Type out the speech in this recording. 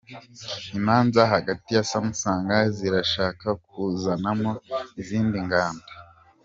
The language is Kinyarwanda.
Imanza hagati ya Samusanga zirashaka kuzanamo Izindi Nganda